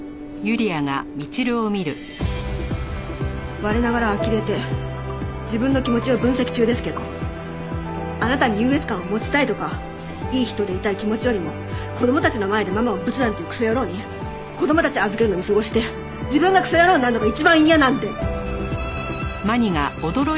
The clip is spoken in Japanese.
我ながらあきれて自分の気持ちを分析中ですけどあなたに優越感を持ちたいとかいい人でいたい気持ちよりも子供たちの前でママをぶつなんていうクソ野郎に子供たち預けるのを見過ごして自分がクソ野郎になるのが一番嫌なんで！